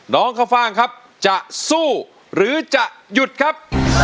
ข้าวฟ่างครับจะสู้หรือจะหยุดครับ